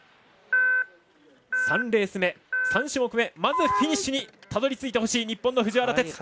３レース目、３種目めまず、フィニッシュにたどり着いてほしい日本の藤原哲。